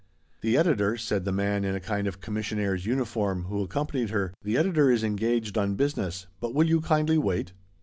" The editor," said the man in a kind of commissionaire's uniform, who accompanied her, " the editor is engaged on business, but will you kindly wait